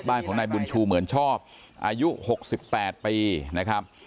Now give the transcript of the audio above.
บ้านของนายบุญชูเหมือนชอบอายุ๖๘ปีนะครับ